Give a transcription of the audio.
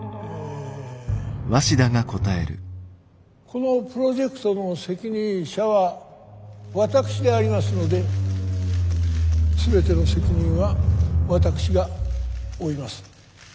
このプロジェクトの責任者は私でありますので全ての責任は私が負います。